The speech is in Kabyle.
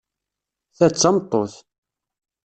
Ta d tameṭṭut.